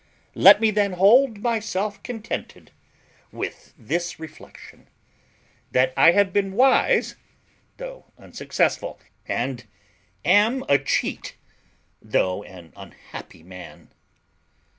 Let me then hold myself contented with this reflection, that I have been wise though unsuccessful, and am a CHEAT though an unhappy man."